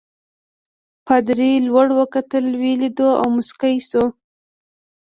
پادري لوړ وکتل ویې لیدو او مسکی شو.